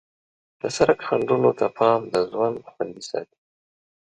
د سړک خنډونو ته پام د ژوند خوندي ساتي.